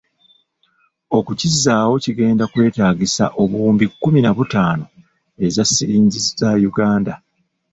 Okukizaawo kigenda kwetaagisa obuwumbi kumi na butaano eza silingi za Uganda.